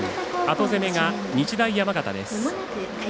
後攻めが日大山形です。